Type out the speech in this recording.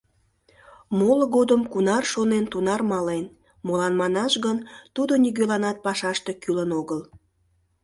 Моло годым кунар шонен, тунар мален, молан манаш гын тудо нигӧланат пашаште кӱлын огыл.